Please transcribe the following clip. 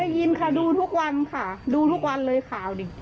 ยินค่ะดูทุกวันค่ะดูทุกวันเลยข่าวดิ